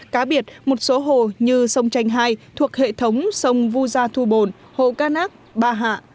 cá biệt một số hồ như sông tranh hai thuộc hệ thống sông vu gia thu bồn hồ ca nác ba hạ